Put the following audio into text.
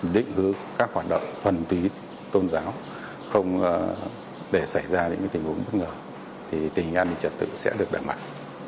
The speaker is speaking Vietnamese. định hứa các hoạt động phần tùy tôn giáo không để xảy ra những tình huống bất ngờ thì tình hình an ninh trật tự sẽ được đảm bảo